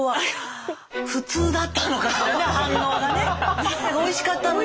あらおいしかったのに。